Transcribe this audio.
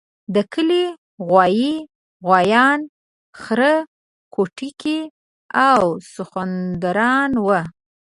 د کلي غواوې، غوایان، خره کوټکي او سخوندران وو.